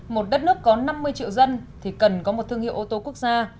một đất nước có năm mươi triệu dân thì cần có một thương hiệu ô tô quốc gia